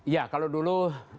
ya kalau dulu